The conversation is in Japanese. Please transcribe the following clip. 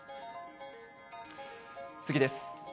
次です。